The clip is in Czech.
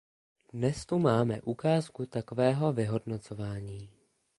Dnes tu máme ukázku takového vyhodnocování.